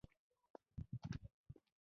ویده خیالونه بې مفهومه وي